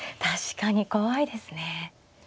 確かに怖いですね。